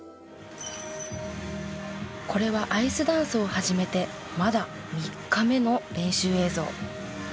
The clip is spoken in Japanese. これはアイスダンスを始めてまだ３日目の練習映像。